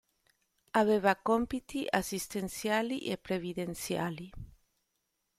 Aveva compiti assistenziali e previdenziali.